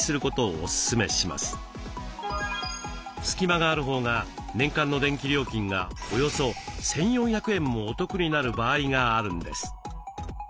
隙間があるほうが年間の電気料金がおよそ１，４００円もお得になる場合があるんです。